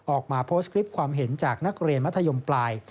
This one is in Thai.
ออกมาโพสต์คลิปความเห็นจากนักเรียนมัธยมปลาย